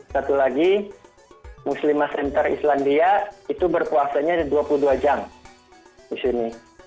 satu lagi muslimah center islandia itu berpuasanya dua puluh dua jam di sini